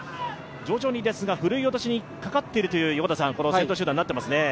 徐々にですが、ふるい落としにかかっているという先頭集団になっていますね。